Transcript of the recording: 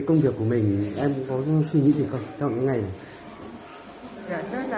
về công việc của mình em có suy nghĩ gì không trong những ngày này